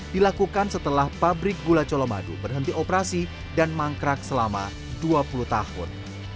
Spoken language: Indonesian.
dilakukan setelah pabrik gula colomadu berhenti operasi dan mangkrak selama dua puluh tahun